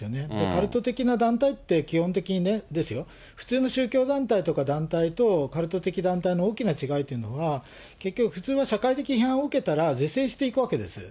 カルト的な団体って、基本的にですよ、普通の宗教団体とか、カルト的団体の大きな違いというのは、結局、普通は社会的批判を受けたら是正していくわけです。